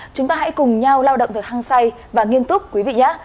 chúng ta hãy cùng nhau lao động được hăng say và nghiêm túc quý vị nhé